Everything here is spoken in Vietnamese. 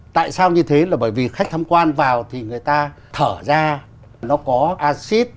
tại sao như thế là bởi vì khách tham quan vào thì người ta thở ra nó có acid